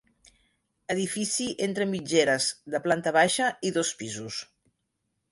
Edifici entre mitgeres de planta baixa i dos pisos.